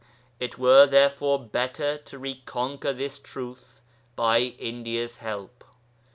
It were therefore better to reconquer this truth by India's help.